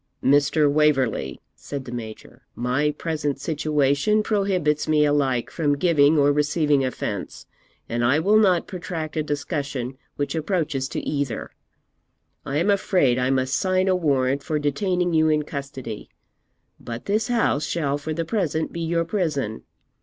'Mr. Waverley,' said the Major, 'my present situation prohibits me alike from giving or receiving offence, and I will not protract a discussion which approaches to either. I am afraid I must sign a warrant for detaining you in custody, but this house shall for the present be your prison.